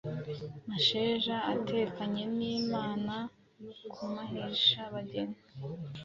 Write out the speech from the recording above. Masheja atekanye n'Imana ku Mahisha-bageni.